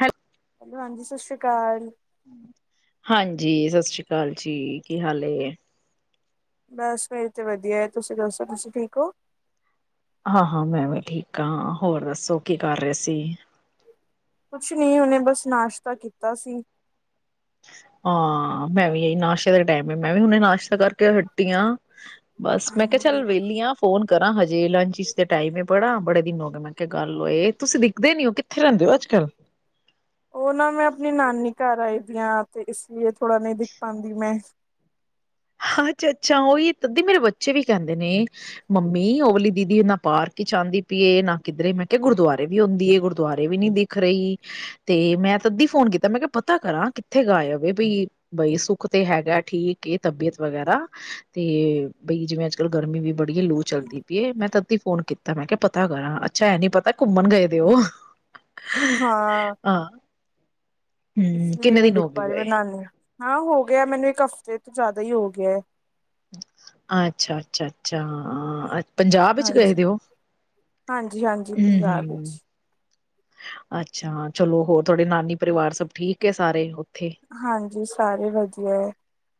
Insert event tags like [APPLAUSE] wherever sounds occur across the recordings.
ਹਰ hello ਹਾਂਜੀ ਸਤਿ ਸ੍ਰੀ ਅਕਾਲ। ਹਾਂਜੀ ਸਤਿ ਸ੍ਰੀ ਅਕਾਲ ਜੀ, ਕੀ ਹਾਲ ਏ। ਬਸ ਮੇਰੇ ਤੇ ਵਧੀਆ ਹੈ ਤੁਸੀਂ ਦੱਸੋ ਤੁਸੀਂ ਠੀਕ ਔ। ਹਾਂ-ਹਾਂ। ਮੈਂ ਵੀ ਠੀਕ ਹਾ ਹੋਰ ਦੱਸੋ ਕੀ ਕਰ ਰਹੇ ਸੀ ਕੁਛ ਨਹੀਂ ਉਹਨੇ ਬਸ ਨਾਸ਼ਤਾ ਕੀਤਾ ਸੀ। ਹਾਂ ਮੈਂ ਵੀ ਨਾਸ਼ਤਾ ਦੇ ਟਾਈਮ ਮੈਂ ਵੀ ਹੁਨੇ ਨਾਸ਼ਤਾ ਕਰਕੇ ਹਟੀਆਂ। ਬਸ ਮੈਂ ਕਿਹਾ ਚੱਲ ਵੇਲੀ ਆ ਫੋਨ ਕਰਾ ਹਜੇ ਲਾਚੀਜ ਦੇ ਟਾਈਮ ਏ ਬੜਾ ਬੜੇ ਦਿਨ ਹੋ ਗਏ ਮੈਂ ਕਿਹਾ ਗੱਲ ਹੋਏ ਤੁਸੀਂ ਦਿਖਦੇ ਨਹੀਂ ਹੋ ਕਿੱਥੇ ਰਹਿੰਦੇ ਹੋ, ਅੱਜਕਲ ਉਹਨਾਂ ਮੈਂ ਆਪਣੀ ਨਾਨੀ ਘਰ ਆਈ ਦੀਆਂ ਤੇ ਇਸ [UNINTELLIGIBLE] ਥੋੜ੍ਹਾ ਨਹੀਂ ਦਿਖ ਪਾਦੀ ਮੈਂ ਅੱਛਾ-ਅੱਛਾ ਓਹੀ ਤਦੀ ਮੇਰੇ ਬੱਚੇ ਵੀ ਕਹਿੰਦੇ ਨੇ ਮੰਮੀ ਓ ਵਾਲੀ ਦੀਦੀ ਨਾ ਪਾਰਕ ਆਂਦੀ ਪਈਏ, ਨਾ ਕਿਧਰੇ ਮੈਂ ਕਿਹਾ ਗੁਰਦੁਆਰੇ ਵੀ ਆਉਂਦੀ ਏ, ਗੁਰਦੁਆਰੇ ਵੀ ਨੀ ਦਿਖ ਰਹੀ ਤੇ ਮੈਂ ਤਦੀ ਫੋਨ ਕੀਤਾ ਮੈਂ ਕਿਹਾ ਪਤਾ ਕਰਾਂ ਕਿੱਥੇ ਗਾਇਬ ਏ ਬਈ, ਬਈ ਸੁੱਖ ਤੇ ਹੈਗਾ ਠੀਕ ਏ ਤਬੀਅਤ ਵਗੈਰਾ ਤੇ ਬਈ ਜਿਵੇਂ ਅੱਜ-ਕੱਲ ਗਰਮੀ ਵੀ ਬੜੀ ਹੈ ਲੂ ਚੱਲਦੀ ਪਈ ਏ ਮੈਂ ਤਦੀ ਫੋਨ ਕੀਤਾ ਮੈਂ ਕਿਹਾ ਪਤਾ ਕਰਾਂ ਅੱਛਾ ਐ ਨੀ ਪਤਾ ਘੁੰਮਣ ਗਏ ਦੇ ਔ। ਹਾਂ ਹੂੰ ਇਸ ਲਈ ਕਿੰਨੇ ਨਹੀਂ ਦਿਨ ਦਿਖ ਹੋ ਗਏ ਪਾਈ ਮੈਂ ਗਏ ਨਾਨੀ ਹਾਂ ਹੋ ਗਿਆ ਮੈਨੂੰ ਇੱਕ ਹਫ਼ਤੇ ਤੋਂ ਜ਼ਿਆਦਾ ਹੀ ਹੋ ਗਿਆ ਏ। ਅੱਛਾ-ਅੱਛਾ-ਅੱਛਾ ਹਾਂ ਅਛ ਹਾਂਜੀ-ਹਾਂਜੀ-ਹਾਂਜੀ। ਪੰਜਾਬ ਹੂੰ-ਹੂੰ ਵਿੱਚ ਅੱਛਾ ਚਲੋ ਹੋਰ ਤਹਾਡੇ ਨਾਨੀ ਪਰਿਵਾਰ ਸਭ ਠੀਕ ਏ ਸਾਰੇ। ਉੱਥੇ? ਹਾਂਜੀ ਸਾਰੇ ਵਧੀਆ ਹੈ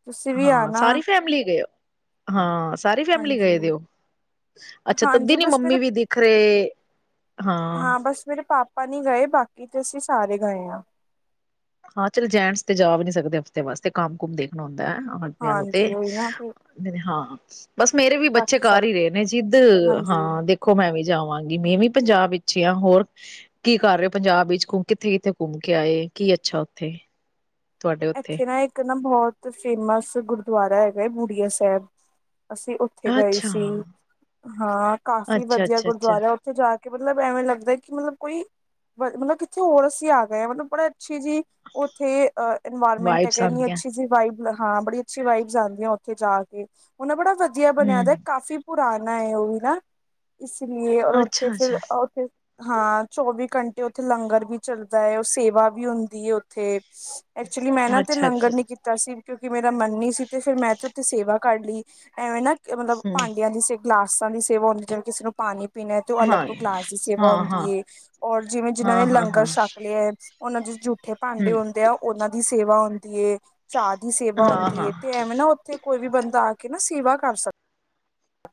ਤੁਸੀਂ ਵੀ ਹਾਂ, ਆਣਾ ਸਾਰੀ ਫੈਮਿਲੀ ਗਏ ਹੋ? ਹਾਂ। ਸਾਰੀ ਫੈਮਿਲੀ ਗਏ ਹਾਂਜੀ ਦੇ ਔ, ਅੱਛਾ ਤਦੀ ਹਾਂਜੀ ਨੀ ਬਸ ਮੇਰੇ ਮੰਮੀ ਵੀ ਦਿਖ ਰਹੇ ਹਾਂ। ਬਸ ਮੇਰੇ ਪਾਪਾ ਨਹੀ ਗਏ ਬਾਕੀ ਤੇ ਅਸੀਂ ਸਾਰੇ ਗਏ ਆ। ਹਾਂ ਚਲੋ ਜੈਂਟਸ ਤੇ ਜਾ ਵੀ ਨਹੀਂ ਸਕਦੇ ਹਫ਼ਤੇ ਵਾਸਤੇ ਕੰਮ ਕੁਮ ਦੇਖਣਾ ਹੁੰਦਾ। ਭੈਣ ਉਹਨਾਂ ਦੀਆਂ ਹਾਂਜੀ ਉਹੀ ਨਾ ਫਿਰ ਤੇ ਹਾਂ ਬਸ ਮੇਰੇ ਵੀ ਬੱਚੇ ਬਾਕੀ ਸਭ ਕਰ ਹੀ ਰਹੇ ਨੇ ਜਿੱਦ ਹਾਂਜੀ ਹਾਂ ਦੇਖੋ ਮੈਂ ਵੀ ਜਾਵਾਂਗੀ ਮੈਂ ਵੀ ਪੰਜਾਬ ਵਿੱਚ ਯਾ, ਹੋਰ ਕੀ ਕਰਰਿਓ ਪੰਜਾਬ ਵਿੱਚ ਕੁ ਕਿੱਥੇ-ਕਿੱਥੇ ਘੁੰਮ ਕੇ ਆਏ ਕੀ ਐ ਅੱਛਾ ਓਥੇ ਏਥੇ ਨਾ ਇੱਕ ਨਾ ਬਹੁਤ ਫੇਮਸ ਗੁਰਦੁਆਰਾ ਹੈਗਾ ਏ ਬੁੜੀਆ ਸੇਅਬ। ਅਸੀਂ ਉੱਥੇ ਗਏ ਅੱਛਾ, ਸੀ। ਹਾਂ ਕਾਫ਼ੀ ਅੱਛਾ, ਵਧੀਆ ਅੱਛਾ, ਅੱਛਾ ਗੁਰਦੁਆਰਾ ਉੱਥੇ ਜਾ ਕ ਕਿ ਮਤਲਬ ਐਵੇਂ ਲੱਗਦੇ ਕਿ ਮਤਲਬ ਕੋਈ ਮ ਮਤਲਬ ਕਿੱਥੇ ਹੋਰ ਅਸੀਂ ਆ ਗਏ ਹਾਂ ਮਤਲਬ ਬੜੇ ਅੱਛੀ ਜੀ ਉੱਥੇ ਇਨਵਾਰਮੈਂਟ ਤਾਂ ਵਾਈਬਸ ਕੇਨੀ ਆਉਂਦੀਆਂ ਅੱਛੀ ਸੀ ਵਾਈਬ ਮਤਲਬ ਹਾਂ ਬੜੀ ਅੱਛੀ ਵਾਈਬਸ ਆਦੀਆਂ ਉੱਥੇ ਜਾ ਕੇ ਉਨਾਂ ਬੜਾ ਵਧੀਆ ਬਣਿਆ ਹੂੰ। ਦਾ ਕਾਫੀ। ਪੁਰਾਣਾ ਏ ਓਵੀ ਨਾ। ਇਸ ਲੀਏ, ਔਰ ਉੱਥੇ ਅੱਛਾ ਫਿਰ ਉ, ਅੱਛਾ ਉੱਥੇ ਹਾਂ। ਚੌਵੀ ਘੰਟੇ ਉੱਥੇ ਲੰਗਰ ਵੀ ਚਲਦਾਏ, ਉਹ ਸੇਵਾ ਵੀ ਹੁੰਦੀ ਏ, ਓਥੇ। ਐਕਚੁਲੀ 'ਮੈਂ ਨਾ ਉਤੇ ਅੱਛਾ ਲੰਗਰ ਅੱਛਾ ਨੀ ਕੀਤਾ ਸੀ। ਕਿਉਂਕਿ ਮੇਰਾ ਮਨ ਨੀਸੀ ਤੇ, ਫਿਰ ''ਮੈਂ ਤੇ, ਉੱਥੇ ਸੇਵਾ ਕਰ ਲਈ। ਐਵੇਂ ਨਾ ਕ ਮਤਲਬ ਹਮ ਭਾਂਡਿਆਂ ਦੀ ਸੇਵ ਗਲਾਸਾਂ ਦੀ ਸ ਸੇਵਾ ਹੁੰਦੀ ਏ, ਜਿਵੇਂ ਕਿਸਨੂੰ ਪਾਣੀ ਪੀਨਾਏ ਤੇ, ਉਹ ਅਲੱਗ ਹਾਂ ਤੋਂ ਗਲਾਸ ਦੀ ਸੇਵਾ ਹਾਂ ਹਾਂ ਹੁੰਦੀ ਏ। ਔਰ ਜਿਵੇਂ ਜਿਨਾਂ ਨੇ ਹਾਂ ਹਾਂ ਹਾਂ ਲੰਗਰ ਛੱਕ ਲਿਆ ਐ ਉਨ੍ਹਾਂ, ਜੀਸ ਜੂੱ ਥੇ ਭਾਂਡੇ ਹਮ ਹੁੰਦੇ ਐ, ਉ ਦੀ ਸੇਵਾ ਹੁੰਦੀਏ। ਚਾਅ ਦੀ ਸੇਵਾ ਹਾਂ ਹੁੰਦੀ ਹਾਂ ਏ ਤੇ, ਐਵੇਂ ਨਾ ਉੱਥੇ ਕੋਈ ਵੀ ਬੰਦਾ ਆਕੇ ਨਾ ਸੇਵਾ ਕਰ ਸਕ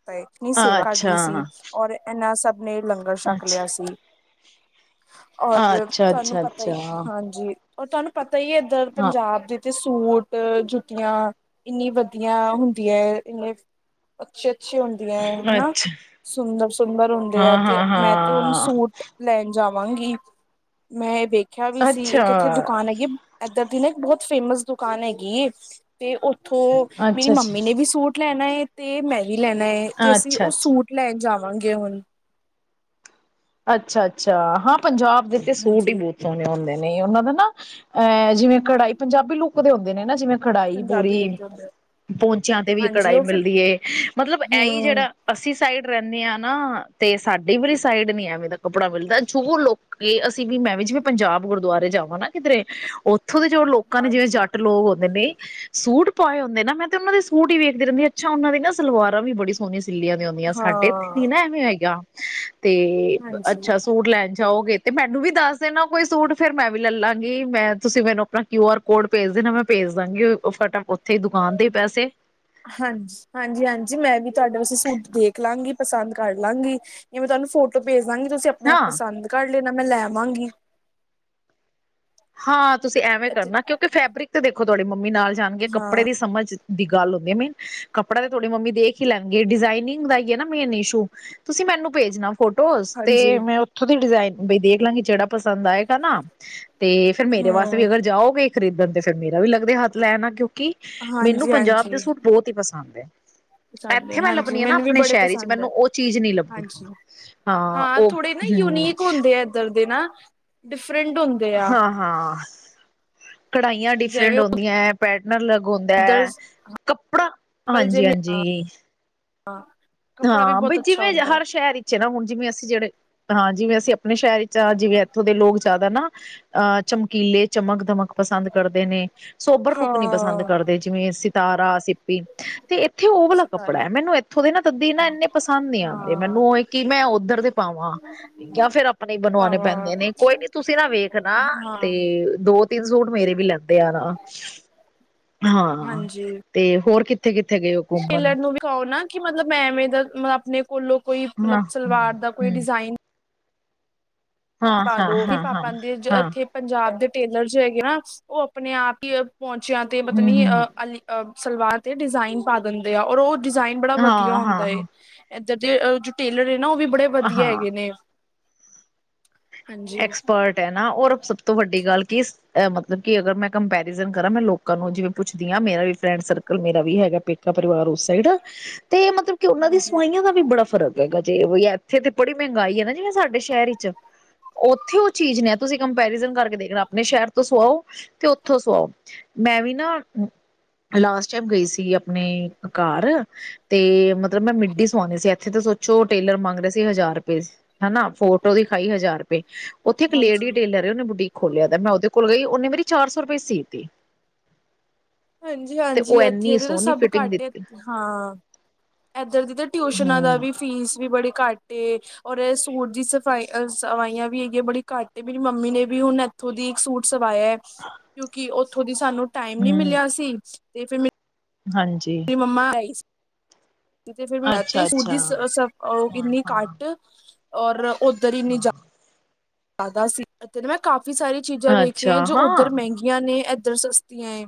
ਤਾਂ, ਏ ਨੀ ਸੇਵਾ ਅੱਛਾ ਆਗੀ ਸੀ, ਔਰ ਏਨਾ ਸਭ ''ਮੈ ਲੰਗਰ ਛੱਕ ਅੱਛਾ ਲਿਆ ਸੀ। ਔਰ ਅੱਛਾ ਤੁਆਨੁ ਅੱਛਾ ਪਤਾ ਈ, ਅੱਛਾ ਹਾਂ ਹਾਂਜੀ। ਉਹ ਤੁਆਨੂੰ ਤਈ ਏਧਰ ਪੰਜਾਬ ਵਿਚ ਤੇ, ਸੂਟ ਜੁੱਤੀਆਂ ਇੰਨੀ ਵਧੀਆ ਹੁੰਦੀਐ, ਇੰਨੇ ਅੱਛੇ ਅ ਛੀਆਂ ਹੁੰਦੀਏ ਹਨਾ। ਅੱਛਾ ਸੁੰਦਰ- ਸੁੰਦਰ ਹੁੰਦੇ ਆ, ਹਾਂ ਹਾਂ ਤੇ ਮੈਂ ਤੇ, ਹੁਣ ਹਾਂ ਸੂਟ ਲੈਣ ਜਾਵ ਵਾਨਗੀ ''ਮੈ ਏ ਵੇਕ ਅੱਛਾ। ਏਧਰ ਦੀ ਨਾ, ਇੱਕ ਬਹੁਤ ਫੇਮਸ ਦੁਕਾਨ ਹੈਗੀਏ ਤੇ, ਉੱਥੋਂ ਮੇਰੀ ਅੱਛਾ ਅੱਛਾ ਅੱਛਾ ਮੰਮੀ ਨੇ ਵੀ ਸੂਟ ਲੈਣਾ ਏ, ਤੇ, ਮੈਂ ਵੀ ਲੈਣਾ ਹੈ ਤੇ, ਅਸੀਂ ਉਹ ਅੱਛਾ ਸੂਟ ਲੈਣ ਜਾ ਜਾਵਾਂਗੇ ਹੁਣ। ਅੱਛਾ-ਅੱਛਾ, ਹਾਂ''ਪੰਜਾਬ ਤੇ, ਸੂਟ ਹੀ ਹਾਂਜੀ ਬਹੁਤ ਸੋਹਣੇ ਹੁੰਦੇ ਨੇ। ਨਹੀਂ ਉਹਨਾਂ ਦਾ ਨਾ, ਐਂ ਜਿਵੇਂ ਕੜਾਈ ਪੰਜਾਬੀ ਲੁੱਕ ਦੇ ਹੁੰਦੇ ਨੇ, ਨਾ ਜਿਵੇਂ ਘੜਾਈ ਪੂਰੀ ਪੰਜਾਬੀ ਲਿਖਦੇ ਹੁੰਦੇ ਪਹੁੰਚਿਆਂ ਤੇ ਵੀ, ਹਾਂਜੀ ਘੜਾਈ ਉਹ ਫਿਰ ਮਿਲਦੀ ਹੈ, ਮਤਲਬ। ਇਹਹੀ ਹੂੰ ਜਿਹੜਾ ਅਸੀਂ ਸਾਈਡ ਰਹਿੰਨੇ ਆਂ ਨਾ ਤੇ, ਸਾਡੀ ਵਰੀ ਸਾਈਡ ਨੀ ਹੈ ਦਾ ਕੱਪੜਾ ਮਿਲਦਾ ਜੋ ਲੋਕ ਅਸੀਂ ਵੀ, ਮੈਂ ਵੀ, ਜਿਵੇਂ 'ਪੰਜਾਬ ਗੁਰਦੁਆਰੇ ਜਾਵਾਂ ਨਾ ਕਿਧਰੇ ਉਥੇ ਇੱਥੋਂ ਦੇ, ਜੋ ਲੋਕਾਂ ਨੇ ਜਿਵੇਂ ਹਾਂਜੀ 'ਜੱਟ ਲੋਕ ਹੋਂਦੇ ਨੇ ਸੂਟ ਪਾਏ ਹੁੰਦੇ ਨਾ ਮੈਂ ਤੇ ਉਹਨਾਂ ਦੇ ਸੂਟ ਹੀ ਵੇਖਦੀ ਰਹਿੰਦੀ ਅੱਛਾ ਉਹਨਾਂ ਦੀ ਨਾ ਸਲਵਾਰਾਂ ਵੀ ਬੜੀ ਸੋਹਣੀ ਚਿੱਲੀਆਂ ਦੇ ਆਉਂਦੀਆਂ ਹਾਂ ਸਾਡੇ ਇੱਥੇ ਨੀ ਨਾ ਐਵੇਂ ਹੈਗਾ ਤੇ ਹਾਂਜੀ ਅੱਛਾ ਸੂਟ ਲੈਣ ਜਾਓਗੇ ਤੇ ਮੈਨੂੰ ਵੀ ਦੱਸ ਦੇਣਾ ਕੋਈ ਸੂਟ ਫੇਿਰ ਮੈਂ ਵੀ ਲੈ ਲਾਂਗੀ ਮੈਂ ਤੁਸੀਂ ਮੈਨੂੰ ਆਪਣਾ ਕਿਊ ਆਰ ਕੋਡ ਭੇਜ ਦੇਣਾ ਮੈਂ ਭੇਜ ਦਾਂਗੀ ਫਟਾਫ ਹਾਂਜੀ ਹਾਂਜੀ ਹਾਂਜੀ ਮੈਂ ਵੀ ਤੁਹਾਡੇ ਵਾਸਤੇ ਫਡ ਦੇਖ ਲਾਂਗੀ ਪਸੰਦ ਕਰ ਲਾਂਗੀ ਜਿਵੇਂ ਤੁਹਾਨੂੰ ਫੋਟੋ ਭੇਜ ਾਂਗੇ ਤੁਸੀਂ ਆਪ ਹਾਂ ਪਸੰਦ ਕਰ ਨਾ ਮੈਂ ਲੈਵਾਂਗੀ ਹਾਂ ਤੁਸੀਂ ਐਵੇਂ ਅੱਛਾ, ਕਰਨਾ ਕਿਉਂਕਿ ਫੈਬਰਿਕ ਤੇ ਦੇਖੋ ੋੜ ਮੰਮੀ ਨਾਲ ਜਾਣਗੇ ਕੱਪੜੇ ਹਾਂ ਦੀ ਸਮਝ ਦੀ ਗੱਲ ਹੁੰਦੀ ਹੈ ਮੇਨ ਕੱਪੜਾ ਤੇ ਤੁਹਾਡੀ ਮੰਮੀ ਦੇਖ ਹੀ ਲੈਣਗੇ ਡਿਜ਼ਾਇਨਿੰਗ ਦਾ ਹੀਈ ਹੈ ਨਾ ਮੇਨ ਇਸ਼ੂ ਤੁਸੀਂ ਮੈਨੂੰ ਭੇਜਣਾ ਫੋਟੋਜ਼ ਤੇ ਹਾਂਜੀ ਮੈਂ ਉੱਥੋਂ ਦੀ ਡਿਜ਼ਾਇਨ ਵੀ ਦੇ ਪਲਾਂਗੇਿਹੜਾ ਪਸੰਦ ਆਏਗਾ ਨਾ ਤੇ ਫੇਿਰ ਮੇਰੇ ਵਾਸਤੇ ਵੀ ਹੂੰ ਅਗਰ ਜਾਓਗੇ ਖਰੀਦਣ ਤੇ ਫਿਰ ਮੇਰਾ ਵੀ ਲੱਗਦਾ ਹੱਥ ਲੈ ਨਾ ਕਿਉਂ ਕਿ ਮੈਨੂੰ ਪੰਜਾਬ ਦੇ ਸੂਟ ਬਹੁਤ ਹੀ ਪਸੰਦ [UNINTELLIGIBLE] [INAUDIBLE] ਪੰ ਇੱਥੇ ਮੈਂ ਹਾਂਜੀ ਲੱਭਣੀ ਆ ਨਾ ਮੈਨੂੰ ਵੀ ਆਪਣੇ ਬੜੇ ਸ਼ਹਿਰ ਚ ਪਸੰਦ ਹੈ ਮੈਨੂੰ ਉਹ ਚੀਜ਼ ਨਹੀਂ ਲੱਭਦੀ ਹਾਂਜੀ ਹਾਂ ਉਹ ਥੋੜੇ ਨਾ ਹਮ ਯੂਨੀਕ ਹੁੰਦੇ ਆ ਇਧਰ ਨਾ ਫਰਿੰਡ ਹੁੰਦੇ ਆ ਹਾਂ ਹਾਂ ਕਢਾਈਆਂ ਡਿਫਰੈਂਟ ਜਿਵੇਂ ਹੁੰਦੀਆਂ ਹੈ ਪੈਟਨਰ ਲੱਗ ਹੁੰਦੈ ਉੱਧਰ ਹੈ ਕੱਪੜਾ ਹਾਂਜੀ ਹਾਂਜੀ ਹਾਂ ਹਾਂ ਬਈ ਜਿਵੇਂ ਹਰ ਸ਼ਹਿਰ ਵਿੱਚ ਹੈ ਨਾ ਹੁਣ ਜਿਵੇਂ ਅਸੀਂ ਜਿਹੜੇ ਹਾਂ ਜਿਵੇਂ ਅਸੀਂ ਆਪਣੇ ਸ਼ਹਿਰ ਵਿੱਚ ਆ ਜਿਵੇਂ ਇੱਥੋਂ ਦੇ ਲੋਕ ਜ਼ਿਆਦਾ ਨਾ ਅਹ ਚਮਕੀਲੇ ਚਮਕ ਦਮਕ ਪਸੰਦ ਕਰਦੇ ਨੇ ਸੋਬਰ ਲੁੱਕ ਨੀ ਪਸੰਦ ਹਾਂ ਕਰਦੇ ਜਿਵੇਂ ਅਸੀ ਤਾਰਾ ਅਸੀ ਤੇ ਇੱਥੇ ਉਹ ਵਾਲਾ ਕੱਪੜਾ ਸਤਾਰਾ ਹੈ ਮੈਨੂੰ ਇੱਥੋਂ ਦੇ ਨਾ ਸਦੀ ਨਾ ਇੰਨੇ ਪਸੰਦ ਨੀ ਆਉਂਦੇ ਹਾਂ ਮੈਨੂੰ ਕਿ ਮੈਂ ਓਧਰ ਦੇ ਪਾਵਾਂ ਜਾਂ ਫੇਰ ਆਪਣੇ ਬਣਵਾਣੇ ਭਾਵਾਂ ਪੈਂਦੇ ਨੇ ਕੋਈ ਨੀ ਤੁਸੀਂ ਨਾ ਵੇਖਣਾ ਹਾਂ ਤੇ ਦੋ ਤਿੰਨ ਸੂਟ ਮੇਰੇ ਵੀ ਲੈਂਦੇ ਆ ਨਾ ਹਾਂ ਹਾਂਜੀ ਤੇ ਹੋਰ ਕੀ ਟੇਲਰ ਨੂੰ ਵੀ ਕਹੋ ਨਾ ਕਿ ਮਤਲਬ ਮੈਂ ਐਵੇਂ ਮਤਲਬ ਆਪਣੇ ਕੋਲੋਂ ਕੋਈ ਹਾਂ ਮਤਲਬ ਸਲਵਾਰ ਦਾ ਕੋਈ ਹੂੰ ਡਿਜ਼ਾਇਨ ਹਾਂ ਪਾ ਦੋ ਹਾਂ ਹਾਂ ਹਾਂ ਪਾਦੇ ਹਾਂ ਇੱਥੇ ਪੰਜਾਬ ਦੇ ਟੇਲਰ ਜੋ ਹੈਗੇ ਨਾ ਉਹ ਆਪਣੇ ਆਪ ਹੀ ਪਹੁੰਚਿਆ ਤੇ ਪਤਾ ਹੂੰ ਨੀ ਹੂੰ ਅਹ ਅਲੀ ਅਹ ਸਲਵਾਰ ਤੇ ਡਿਜ਼ਾਇਨ ਪਾ ਦਿੰਦੇ ਆ ਔਰ ਉਹ ਡਿਜ਼ਾਇਨ ਬੜਾ ਵਧੀਆ ਹਾਂ ਹੁੰਦਾ ਹਾਂ ਏ। ਹਾਂ ਏਧਰ ਦੇ ਅ ਜੋ ਟੇਲਰ ਏ ਨਾ ਉਹ ਵੀ ਬੜੇ ਵਧੀਆ ਹਾਂ ਹੈਗੇ ਨੇ। ਹਾਂਜੀ। ਐਕਸਪਰਟ ਹੈ ਨਾ ਔਰ ਸਭ ਤੋਂ ਵੱਡੀ ਗੱਲ ਕੀ ਮਤਲਬ ਕਿ ਅਗਰ ਮੈਂ ਕੰਪੈਰੀਜਨ ਕਰਾਂ ਮੈਂ ਲੋਕਾਂ ਨੂੰ ਜਿਵੇਂ ਪੁੱਛਦੀ ਹਾਂ ਮੇਰਾ ਵੀ ਫਰੈਂਡ ਸਰਕਲ ਮੇਰਾ ਵੀ ਹੈਗਾ ਪੇਕਾ ਪਰਿਵਾਰ ਉਸ ਸਾਈਡ ਤੇ ਮਤਲਬ ਕਿ ਉਹਨਾਂ ਦੀ ਹਾਂਜੀ। ਸਵਾਈਆਂ ਦਾ ਵੀ ਬੜਾ ਫ਼ਰਕ ਹੈਗਾ ਜੇ ਇੱਥੇ ਤੇ ਬੜੀ ਮਹਿੰਗਾਈ ਹੈ ਨਾ। ਜ ਸਾਡੇ ਸ਼ਹਿਰ ਚ ਓਥੇ ਉਹ ਚੀਜ਼ ਨੇ ਤੁਸੀਂ ਕੰਪੈਰੀਜ਼ਨ ਕਰਕੇ ਦੇਖਣਾ, ਆਪਣੇ ਸ਼ਹਿਰ ਤੋਂ ਸੁਆਓ ਤੇ ਉੱਥੋਂ ਸੁਆਓ, ਮੈਂ ਵੀ ਨਾ ਲਾਸਟ ਟਾਈਮ ਗਈ ਸੀ ਅਪਣੇ ਘਰ ਤੇ ਮਤਲਬ ਮੈਂ ਮਿੱਡੀ ਸਵਾਉਂਣੀ ਸੀ ਇੱਥੇ ਤੇ ਸੋਚੋ ਟੇਲਰ ਮੰਗ ਰਹੇ ਸੀ ਹਜ਼ਾਰ ਰੁਪਏ, ਹਨਾ ਫੋਟੋ ਦੀਖਾਈ ਹਜ਼ਾਰ ਰੁ ਉੱਥੇ ਇੱਕ ਲੇਡੀ ਹਾਂਜੀ, ਟੇਲਰ ਏ ਉਹਨੇ ਬੁੱਟੀ ਖੋਲਿਆ ਦਾ ਮੈਂ ਉਹਦੇ ਕੋਲ ਗਈ ਉਹਨੇ ਮੇਰੀ ਚਾਰ ਸੌ ਰੁਪਏ ਚ ਸੀਤੀ। ਹਾਂਜੀ-ਹਾਂਜੀ, ਇੱਥੇ ਦੇ ਤਾਂ ਸਭ ਫਿਟਿੰਗ ਘੱਟ ਆ ਦਿੱਤੀ ਹਾਂ ਏਧਰ ਦੀ ਤੇ ਟਿਊਸ਼ਨਾਂ ਦਾ ਹੂੰ ਵੀ ਫੀਸ ਵੀ ਬੜੀ ਘੱਟ ਏ ਔਰ ਇਹ ਸੂਟ ਦੀ ਸਫਾਈ ਸਵਾਈਆਂ ਵੀ ਹੈਗੀਆ ਬੜੀ ਘੱਟ ਏ ਮੇਰੀ ਮੰਮੀ ਨੇ ਵੀ ਹੁਣ ਇੱਥੋਂ ਦੀ ਇੱਕ ਸੂਟ ਸਵਾਇਆ ਕਿਉਂਕਿ ਉਸ [INAUDIBLE] ਸਾਨੂੰ ਟਾਈਮ ਨੀ ਹੂੰ ਮਿਲਿਆ ਤੇ ਫਿਰ ਮੈਂ ਹਾਂਜੀ ਮੇਰੀ ਮੰਮਾ ਆਈ ਫਿਰ ਅੱਛਾ ਸੂਰ ਅੱਛਾ ਦੀ ਉਹ ਹਾਂ ਕਿੰਨੀ ਹਾਂ ਘੱਟ ਔਰ ਉੱਧਰ ਹੀ ਨਹੀਂ ਜਾ ਹਾਂ ਜ਼ਿਆਦਾ ਸੀ ਤੇਨ ਮੈਂ ਕਾਫੀ ਕਾਫ਼ੀ ਸਾਰੀ ਚੀਜ਼ਾਂ ਵੇਖੀਆਂ ਅੱਛਾ ਜੋ ਉੱਧਰ ਹਾਂ ਮਹਿੰਗੀਆਂ ਨੇ ਇੱਧਰ ਸਸਆਂ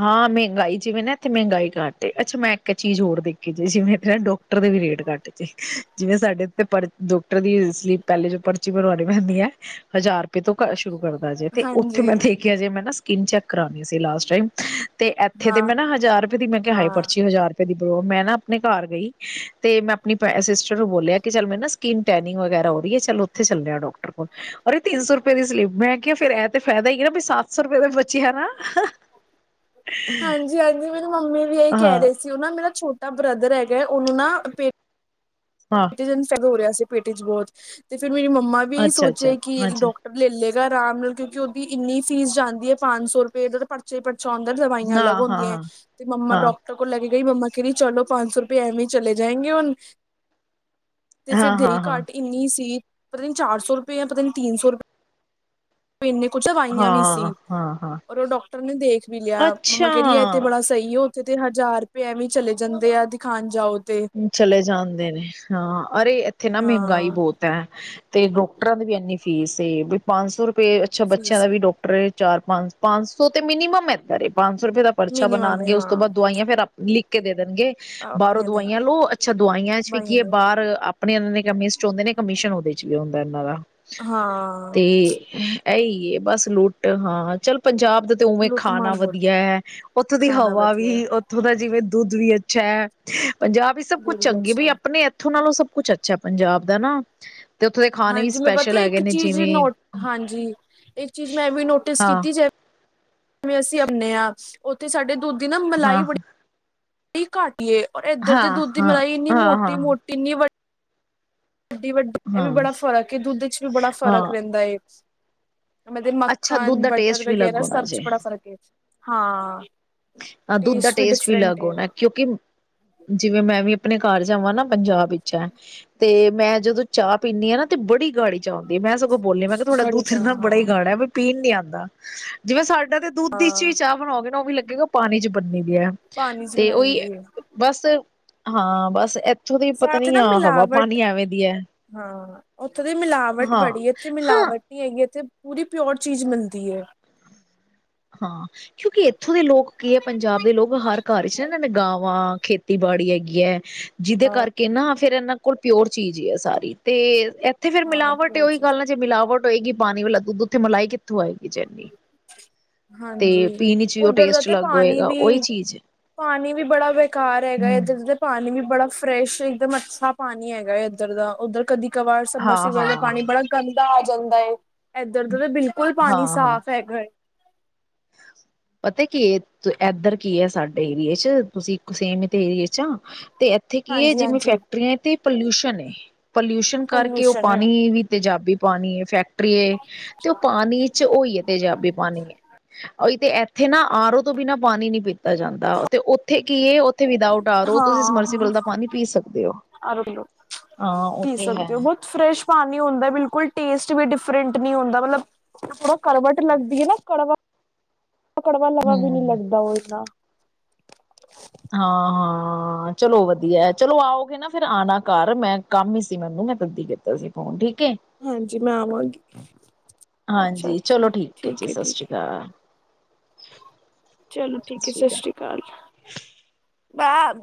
ਹਾਂ ਮਹਿੰਗਾਈ ਜਿਵੇਂ ਨਾ ਇੱਥੇ ਮਹਿੰਗਾਈ ਘੱਟ ਅੱਛਾ ਮੈਂ ਇੱਕ ਚੀਜ਼ ਹੋਰ ਦੇਖੀ ਜੀ ਜਿਵੇਂ ਨਾ ਡਾਕਟਰ ਦੇ ਵੀ ਰੇਟ ਘੱਟ ਜ ਜਿਵੇਂ ਸਾਡੇ ਇਥ ਪਰ ਡੋਕਟਰ ਦੀ ਪਹਿਲੇ ਜੋ ਪਰਚੀ ਬਣਵਾਉਣੀ ਪੈਂਦੀ ਹੈ ਹਜ਼ਾਰ ਤੂੰ ਘਰ ਸ਼ੁਰੂ ਕਰਦਾ ਜੇ ਤੇ ਉੱਥੇ ਹਾਂਜੀ ਮੈਂ ਦੇਖਿਆ ਜੇ ਮੈਂ ਨਾ ਸਕਿੰਨ ਚੈੱਕ ਕਰਾਉਣੀ ਸੀ ਲਾਸਟ ਟਾਈਮ ਤੇ ਇੱਥੇ ਤੇ ਹਾਂ ਮੈਂ ਨਾ ਹਜ਼ਾਰ ਰੁਪਏ ਦੀ ਮੈਂ ਕਿਹਾ ਹੈ ਹਾਂ ਪਰਚੀ ਹਜ਼ਾਰ ਰੁਪਏ ਦੀ ਬਰੋ ਮੈਂ ਨਾ ਆਪਣੇ ਘਰ ਗਈ ਤੇ ਮੈਂ ਆਪਣੀ ਸਿਸਟਰ ਨੂੰ ਬੋਲਿਆ ਕਿ ਚ ਮੈਂ ਨਾ ਸਕਿੰਨ ਟੈਨਿੰਗ ਵਗੈਰਾ ਹੋ ਰਹੀ ਹੈ ਚਲ ਉੱਥੇ ਚੱਲਿਆ ਡਾਕਟਰ ਉਹਰਰੇ ਇਨ ਸ ਰੁਪਏ ਪ ਦੀ ਸਲੀਪ ਮੈਂ ਕਿਹਾ ਫੇਿਰ ਇਹ ਤੇ ਫਾਇਦਾ ਹੀ ਨਾ ਬ ਸੱਤ ਸੌ ਰੁਪਏ ਦੇ ਬਚੀ ਨਾ ਹਾਂਜੀ ਹਾਂਜੀ ਮੈਨੂੰ ਮੰਮੀ ਵੀ ਇਹੀ ਹਾਂ ਕਹਿ ਰਹੇ ਹਾਂ ਸੀ ਉਹ ਨਾ ਮੇਰਾ ਛੋਟਾ ਾ ਬ੍ਰਦਰ ਹੈਗਾ ਉਹਨੂੰ ਨਾ ਕਿਥੇਨ ਸਗਾ ਉਰੇਿਆ ਪੇਟੇ ਚ ਬਹੁਤ ਤੇ ਫਿਰਰ ੇਰੀ ਮੰਮਾ ਵੀ ਇਹੀ ਅੱਛਾ ਅੱਛਾ ਸੋਚਿਆ ਕਿ ਅੱਛਾ ਡਾਕਟਰ ਲੈ ਲੈ ਆਰਾਮ ਨਾਲ ਕਿਉਂਕਿ ਉਹਦੀ ਇੰਨੀ ਫੀਸ ਜਾਂਦੀ ਹੈ ਪੰਜ ਸੌ ਰੁਪਏ ਜ ਪਰਚੇ ੋਂਦਰ ਦਵਾਈਆਂ ਅਲੱਗ ਹਾਂ ਹੁੰਦੀਆਂ ਹਾਂ ਤੇ ਮੰਮਾ ਹਾਂ ਡਾਕਟਰ ਕੋਲ ਲ ਗਈ ਮੰਮਾ ਕਹਿਦੀ ਚਲੋ ਪੰਜ ਸੌ ਰੁਪਏ ਐਏਵੇ ਹੀ ਚਲੇ ਜਾਏਗੇ ਹੁਣ ਤੇ ਫਿਰ ਹਾਂ ਦੇਰੀ ਹਾਂ ਹਾਂ ਘਾਟ ਇੰਨੀ ਸੀ ਪਤਾ ਨੀ ਚਾਰ ਸੌ ਰੁਪਏ ਜਾਂ ਪਤਾ ਨੀ ਤਿੰਨ ਸੌ ਰੁਪਏ ਇਨੇ ਕੁਝਵਾਈਆਂ ਵੀ ਹਾਂ ਸੀ ਹਾਂ ਹਾਂ ਔਰ ਉਹ ਡਾਕਟਰ ਨੇ ਦੇਖ ਵੀ ਲਿਆ ਮੰਮਾ ਅੱਛਾ ਕਹਦੀਏ ਇਹ ਤੇ ਬੜਾ ਸਹੀ ਉੱਥੇ ਤੇ ਹਜ਼ਾਰ ਰੁਪਏ ਵੀ ਚਲੇ ਜਾਂਦੇ ਆ ਦਿਖਾਉਣ ਜਾਓ। ਤੇ ਚਲੇ ਜਾਣ ਦੋਨੇ ਹਾਂ ਅਰੇ ਇੱਥੇ ਨਾ ਮਹਿੰਗਾਈ ਹਾਂ ਬਹੁਤ ਹੈ। ਤੇ ਡਾਕਟਰਾਂ ਦੀ ਵੀ ਇੰਨੀ ਫੀਸ ਸੀ ਵੀ ਪੰਜ ਸੌ ਰੁਪਏ ਅੱਛਾ ਬੱਚਿਆਂ ਫੀਸ ਦਾ ਵੀ ਡਾਕਟਰ ਚਾਰ ਪੰਜ ਪੰਜ ਸੌ ਤੇ ਮਿਨੀਮਮ ਐਧਰ ਏ। ਪੰਜ ਸੌ ਰੁਪਏ ਦਾ ਪਰਚਾ ਮਿਨੀਮਮ ਹੈ ਬਣਾਣਗੇ, ਔਸ ਹਾਂ ਤੋਂ ਬਾਅਦ ਦਵਾਈਆਂ ਫੇਰ ਅਪ ਲਿਖ ਲਿਖ ਕੇ ਦਣਗੇ ਬਾਹਰੋ ਆਪਣੀਆਂ ਦੇ ਦਵਾਈਆਂ ਲੋ ਅੱਛਾ ਦਵਾਈਆਂ ਚ ਵੀ ਬਾਈਆਂ ਕੀ ਐ ਦਾ ਬਾਰ ਆਪਣੇ ਐਨਾਂ ਦੇ ਕਮੀਸ਼ਨ ਹੋੰਦੇ ਨੇ ਕਮਿਸ਼ਨ ਔਦੀ ਚੀਏ ਹੁੰਦਾ ਐਨਾਂ ਦਾ। ਹਾਂ। ਐਈ ਏ ਬਸ ਲੁੱਟ ਹਾਂ ਚੱਲ ਪੰਜਾਬ ਦਾ ਤੇ ਉਵੇਂ ਲੁੱਟ ਖਾਣਾ ਮਾਰ ਬਹੁਤ ਹੈ ਵਧੀਐ। ਔਥੋਂ ਦੀ ਖਾਣਾ ਹਵਾ ਵਧੀਆ ਹੈ। ਵੀ ਔਥੋਂ ਦਾ ਜਿਵੇਂ ਦੁੱਧ ਵੀ ਅੱਛਾ ਐ। [INAUDIBLE] ਪੰਜਾਬ ਈਚ ਸਭ ਕੁੱਛ ਬੜੀ ਚੰਗੀ ਏ, ਅੱਛਾ ਬਈ ਅਪਣੇ ਐਥੋਂ ਤੇ ਨਾਲੋਂ ਸਭ ਕੁਛ ਅੱਛਾ ਐ ਪੰਜਾਬ ਦਾ ਨਾ। ਤੇ ਉੱਥੋਂ ਦੇ ਖਾਣੇ ਵੀ ਹਾਂਜੀ, ਮੈ ਪਤਾ ਸਪੈਸ਼ਲ ਇੱਕ ਹੈਗੇ ਨੇ ਚੀਜ਼ ਜਿਵੇਂ ਨੋਟ ਹਾਂਜੀ ਇੱਕ ਚੀਜ਼ ਮੈਂ ਵੀ ਨੋਟਿਸ ਹਾਂ ਕੀਤੀ ਜੈਵ ਜਿਵੇਂ ਅਸੀਂ ਅਉਣੇ ਆਂ ਔਥੇ ਸਾਡੇ ਦੁੱਧ ਦੀ ਨਾ ਮਲਾਈ ਹਾਂ ਬੜੀ ਘੱਟ ਈਏ ਔਰ ਐਧਰ ਦੇ ਹਾਂ ਦੁੱਧ ਦੀ ਹਾਂ ਮਲਾਈ ਇੰਨੀ ਹਾਂ ਹਾਂ ਮੋਟੀ ਮੋਟੀ, ਇੰਨੀ ਵੱਡ ਵੱਡੀ ਵੱਡੀ ਐਵੀ ਹਾਂ ਬੜਾ ਫ਼ਰਕ ਏ, ਦੁੱਧ ਚ ਵੀ ਬੜਾ ਫ਼ਰਕ ਹਾਂ ਰੈੰਦਾ ਏ। ਮਦੇ ਅੱਛਾ ਦੁੱਧ ਮੱਖਣ, ਦਾ ਬਟਰ ਟੇਸਟ ਵੀ ਅਲੱਗ ਵਗੈਰਾ ਹੋਣਾ ਸਭ ਚ ਬੜਾ ਫ਼ਰਕ ਏ। ਹਾਂ। ਆ ਦੁੱਧ ਦਾ ਟੇਸਟ ਵੀ ਅਲੱਗ ਹੋਣੈ, ਕਿਉਂਕਿ ਜਿਵੇਂ ਮੈਂ ਵੀ ਅ ਅਪਣੇ ਘਰ ਜਾਵਾਂ ਨਾ ਪੰਜਾਬ ਵਿੱਚ ਐ, ਤੇ ਮੈਂ ਜਦੋਂ ਚਾਹ ਪੀਂਣੀ ਆਂ ਨਾ ਤੇ ਬੜੀ ਗਾੜੀ ਚਾਹ ਹੁੰਦੀ ਏ। ਗੋ ਬੋਲਣੀਆ ਮੈਂ ਕਿਆ ਥੋਡਾ ਕੜੀ ਦੂਧ ਚਾਹ ਏਨਾ ਬੜਾ ਈ ਹਾਂ ਗਾੜੈ ਬਵੀ ਪੀਣ ਨੀ ਆ ਦਾ, ਜਿਵੇਂ ਸਾਡੇ ਦੈਦੇ, ਦੱਧ ਇਚ ਈ ਹਾਂ ਚਾਹ ਬਣਾਓਗੇ ਨਾ ਔਵੀ ਲਗ ਕਿਓਂਕ ਔ ਪਾਣੀ ਚ ਬੰਨੇ ਯੈ ਪਾਣੀ ਚ ਤੇ ਬਣਾਈ ਓਹੀ ਹੁੰਦੀ ਏ ਬਸ ਹਾਂ ਬਸ ਔਦੀ ਵੀ ਪਤਾ ਸਾਥ ਨੀ ਨਾ ਆ ਹਵਾ ਮਿਲਾਵਟ ਪਾਣੀ ਐਵੇਂ ਦੀ ਐ। ਉੱਥੋਂ ਦੀ ਮਿਲਾਵਟ ਬੜੀ ਐ, ਉੱਥੇ ਮਿਲਾਵਟ ਨੀ ਹੈਗੀ ਐਥੇ ਪੂਰੀ ਪਿਓਰ ਚੀਜ਼ ਮਿਲਦੀ ਏ। ਹਾਂ। ਕਿਉਂਕਿ ਇੱਥੋਂ ਦੇ ਲੋਕ ਕੀ ਹੈ ਪੰਜਾਬ ਦੇ ਲੋਕ ਹਰ ਘਰ ਚ ਨਾ ਇਹਨਾਂ ਨੇ ਗਾਵਾਂ, ਖੇਤੀਬਾੜੀ ਹੈਗੀ ਹੈ। ਜਿਹਦੇ ਕਰਕੇ ਨਾ। ਫਿਰ ਇਹਨਾਂ ਕੋਲ ਪਿਓਰ ਚੀਜ਼ ਹੀ ਹੈ। ਸਾਰੀ ਤੇ ਇੱਥੇ ਫੇਰ ਹਾਂ ਮਿਲਾਵਟ ਪਿਓਰ ਉਹੀ ਚੀਜ਼ ਗੱਲ ਹੈ। ਨਾ ਜੇ ਮਿਲਾਵਟ ਹੋਏਗੀ ਪਾਣੀ ਵਾਲਾ ਦੁੱਧ ਉੱਥੇ ਮਲਾਈ ਕਿੱਥੋਂ ਆਏਗੀ? ਇਹ ਜਰਨੀ। ਹਾਂਜੀ ਉੱਧਰ ਦਾ ਤੇ ਪਾਣੀ ਹੋਏਗਾ ਉਹੀ ਵੀ ਚੀਜ਼ ਪਾਣੀ ਵੀ ਬੜਾ ਬੇਕਾਰ ਹੈਗਾ ਹਮ ਇੱਧਰ ਤੇ ਪਾਣੀ ਵੀ ਬੜਾ ਫਰੈਸ਼ ਇੱਕਦਮ ਅੱਛਾ ਪਾਣੀ ਹੈਗਾ ਇੱਧਰ ਦਾ ਉੱਧਰ ਕਦੀ ਕਵਰ ਹਾਂ ਸਮਰਸੀ ਵਾਲਾ ਹਾਂ ਪਾਣੀ ਬੜਾ ਗੰ ਦਾ ਆ ਜਾਂਦਾ ਏ। ਇੱਧਰ ਤਾ ਬਿਲਕੁਲ ਪਾਣੀ ਹਾਂ ਹਾਂ ਸਾਫ਼ ਹੈ ।ਘਰ ਪਤਾ ਕੀ ਏਧਰ ਕੀ ਹੈ ਸਾਡੇ ਏਰੀਏ ਚ ਤੁਸੀਂ ਸੇਮ ਤਾਂ ਏਰੀਏ ਚ ਆ। ਤੇ ਇੱਥੇ ਕੀ ਹੈ ਜਿਵੇਂ ਹਾਂਜੀ-ਹਾਂਜੀ ਫੈਕਟਰੀਆਂ ਤੇ ਪੋਲਿਊਸ਼ਨ ਏ। ਪੋਲਿਊਸ਼ਨ ਕਰਕੇ ਉਹ ਪੋਲਿਊਸ਼ਨ ਪਾਣੀ ਵੀ ਤੇਜ਼ਾਬੀ ਪਾਣੀ ਐ। ਫੈਕਟ ਫੈਕਟਰੀ ਏ ਤੇ ਉਹ ਪਾਣੀ ਚ ਹੋਈ ਹੈ। ਤੇਜਾਬੀ ਪਾਣੀ ਉਹੀ ਤੇ ਇੱਥੇ ਨਾ ਆਰੋ ਤੋਂ ਤੋਂ ਬਿਨਾਂ ਪਾਣੀ ਨੀ ਪੀਂ ਪੀਤਾ ਜਾਂਦਾ ਤੇ ਉੱਥੇ ਕੀ ਏ- ਉੱਥੇ ਵਿਦਾਉਟ ਆਰੋ ਹਾਂ ਤੁਸੀਂ ਸਮਰਸੀਬਲ ਦਾ ਪਾਣੀ ਪੀ ਸਕਦੇ ਹੋ ਆਰ ਓ ਹਾਂ ਪੀ ਉਥੇ ਹੈ। ਸਕਦੇ ਹੋ ਬਹੁਤ ਫਰੈਸ਼ ਪਾਣੀ ਹੁੰਦਾ ਬਿਲਕੁਲ ਟੇਸਟ ਵੀ ਡਿਫਰੈਂਟ ਨਹੀਂ ਹੁੰਦਾ ਮਤਲਬ ਕੜਵਟ ਲੱਗਦੀ ਹੈ ਨਾ ਕੜਵਟ ਕੜਵਾਂ ਲਵਾਂ ਵੀ ਨੀ ਲੱਗਦਾ ਉਹ ਤਾਂ। ਹਾਂ ਹਾਂ। ਹਾਂ ਚਲੋ ਵਧੀਆ ਚਲੋ ਆਓਗੇ ਨਾ ਫੇਰ ਆਉਣਾ ਘਰ ਮੈਂ ਕੰਮ ਹੀ ਸੀ ਮੈਨੂੰ ਮੈਂ ਤਦੀ ਕੀਤਾ ਸੀ ਫੋਨ ਠੀਕ? ਏ ਹਾਂਜੀ ਮੈਂ ਆਵਾਂਗੀ। ਅੱਛਾ ਹਾਂਜੀ ਚਲੋ ਅੱਛਾ ਠੀਕ ਹੈ ਜੀ ਸਤਿ ਠੀਕ ਸ੍ਰੀ ਹੈ ਅਕਾਲ। ਚਲੋ ਠੀਕ ਹੈ ਸਤਿ ਸ਼੍ਰੀ ਅਕਾਲ। ਪੈਪ।